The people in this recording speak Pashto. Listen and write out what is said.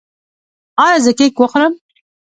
ایا زه کیک وخورم؟